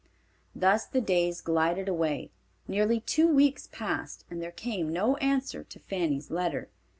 Thus the days glided away. Nearly two weeks passed, and there came no answer to Fanny's letter.